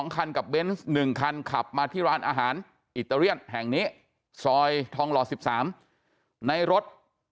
คันกับเบนส์๑คันขับมาที่ร้านอาหารอิตาเลียนแห่งนี้ซอยทองหล่อ๑๓ในรถ